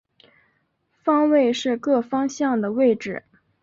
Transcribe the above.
方位是各方向的位置。